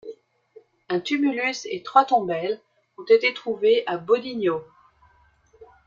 Un tumulus et trois tombelles ont été trouvées à Bodinio.